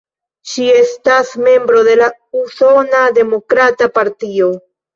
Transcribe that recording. Ŝi estas membro de la Usona Demokrata Partio.